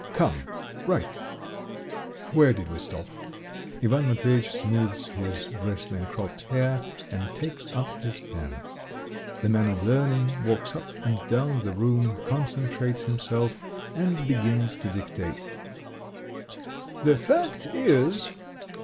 Come, write, ... Where did we stop?" Ivan Matveyitch smooths his bristling cropped hair and takes up his pen. The man of learning walks up and down the room, concentrates himself, and begins to dictate: "The fact is